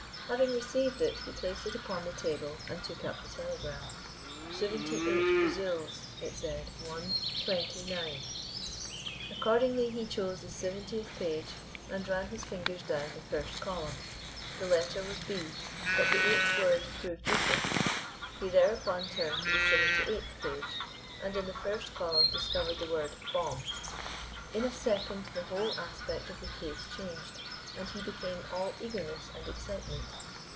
Having received it he placed it upon the table and took up the telegram. "Seventy eight Brazils," it said, "one twenty nine." Accordingly he chose the seventieth page, and ran his fingers down the first column. The letter was B, but the eighth word proved useless. He thereupon turned to the seventy eighth page, and in the first column discovered the word Bomb. In a second the whole aspect of the case changed, and he became all eagerness and excitement.